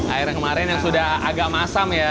air yang kemarin yang sudah agak masam ya